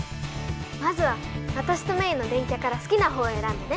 まずはわたしとメイの電キャから好きなほうをえらんでね！